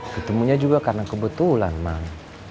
ketemunya juga karena kebetulan bang